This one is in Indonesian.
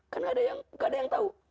karena gak ada yang tahu